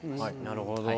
なるほど。